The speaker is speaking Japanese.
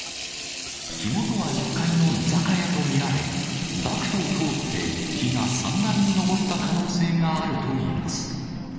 火元は１階の居酒屋と見られ、ダクトを通って、火が３階に上った可能性があるといいます。